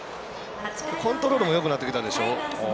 コントロールもよくなってきたでしょ。